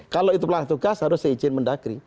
kalau itu pelaksana tugas harus saya izin mendagri